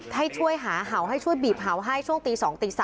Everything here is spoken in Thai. ให้ช่วยหาเห่าให้ช่วยบีบเห่าให้ช่วงตี๒ตี๓